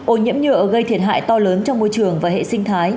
ô nhiễm nhựa gây thiệt hại to lớn trong môi trường và hệ sinh thái